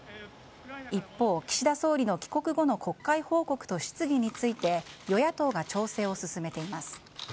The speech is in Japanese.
一方、岸田総理の帰国後の国会報告と質疑について与野党が調整を進めています。